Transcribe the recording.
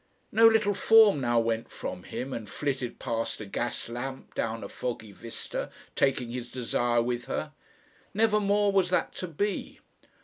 No little form now went from him and flitted past a gas lamp down a foggy vista, taking his desire with her. Never more was that to be.